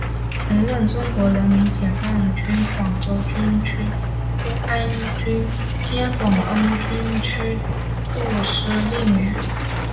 曾任中国人民解放军广州军区公安军兼广东军区副司令员。